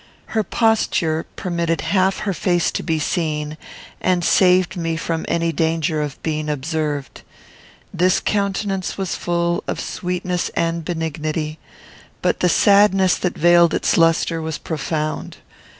Her posture permitted half her face to be seen, and saved me from any danger of being observed. This countenance was full of sweetness and benignity, but the sadness that veiled its lustre was profound.